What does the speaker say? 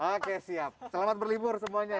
oke siap selamat berlibur semuanya